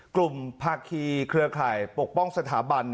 ภาคีเครือข่ายปกป้องสถาบัน